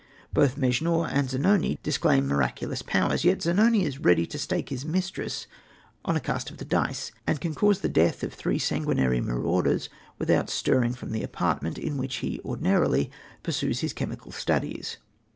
Both Mejnour and Zanoni disclaim miraculous powers, yet Zanoni is ready to stake his mistress on a cast of the dice, and can cause the death of three sanguinary marauders without stirring from the apartment in which he ordinarily pursues his chemical studies.